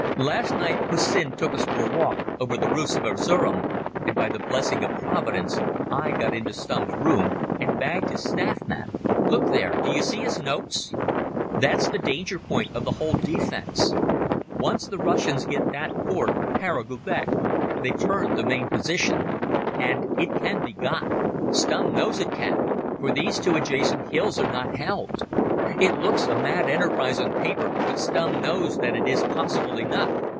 Last night Hussin took us for a walk over the roofs of Erzerum, and by the blessing of Providence I got into Stumm's room, and bagged his staff map ... Look there ... d'you see his notes? That's the danger point of the whole defence. Once the Russians get that fort, Kara Gubek, they've turned the main position. And it can be got; Stumm knows it can; for these two adjacent hills are not held ... It looks a mad enterprise on paper, but Stumm knows that it is possible enough.